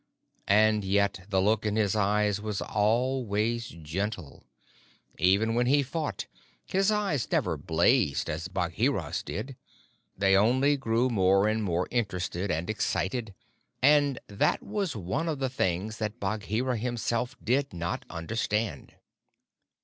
And yet the look in his eyes was always gentle. Even when he fought, his eyes never blazed as Bagheera's did. They only grew more and more interested and excited; and that was one of the things that Bagheera himself did not understand.